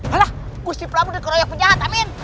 alah kusip lah muda keroyok penjahat amin